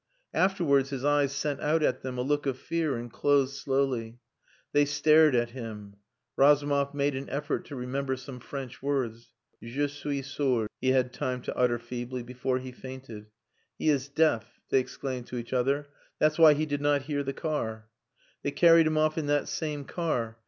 Afterwards his eyes sent out at them a look of fear and closed slowly. They stared at him. Razumov made an effort to remember some French words. "Je suis sourd," he had time to utter feebly, before he fainted. "He is deaf," they exclaimed to each other. "That's why he did not hear the car." They carried him off in that same car.